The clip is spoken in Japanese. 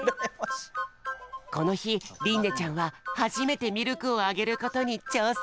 このひりんねちゃんははじめてミルクをあげることにちょうせん！